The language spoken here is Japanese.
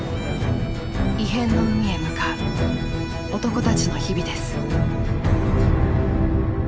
異変の海へ向かう男たちの日々です。